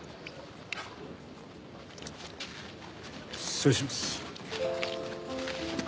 失礼します。